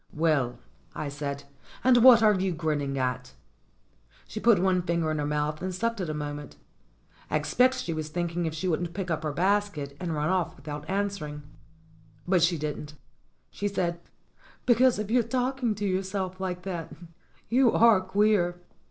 "Well," I said, "and what are you grinning at?" She put one finger in her mouth and sucked it a moment. I expect she was thinking if she wouldn't pick up her basket and run off without answering. But she didn't. She said : "Because of your talking to yourself like that. You are queer."